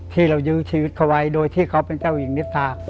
ที่เรายื้อชีวิตเขาไว้โดยที่เขาเป็นเจ้าหญิงนิทรา